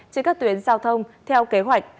trên các tuyến giao thông theo kế hoạch